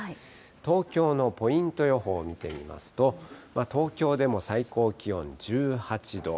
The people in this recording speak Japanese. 東京のポイント予報、見てみますと、東京でも最高気温１８度。